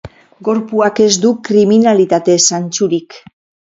Gorpuak ez du kriminalitate zantzurik.